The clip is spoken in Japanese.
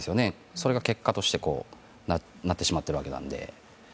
それが結果として、こうなってしまっているわけなので。